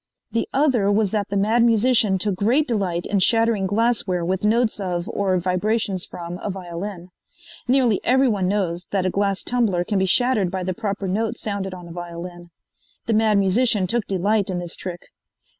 The other was that the Mad Musician took great delight in shattering glassware with notes of or vibrations from a violin. Nearly everyone knows that a glass tumbler can be shattered by the proper note sounded on a violin. The Mad Musician took delight in this trick.